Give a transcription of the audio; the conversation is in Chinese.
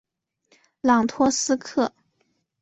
朗托斯克。